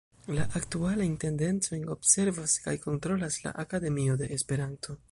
La aktualajn tendencojn observas kaj kontrolas la Akademio de Esperanto.